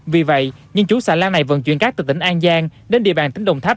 vì vậy nhân chủ xã lan này vận chuyển các từ tỉnh an giang đến địa bàn tỉnh đồng tháp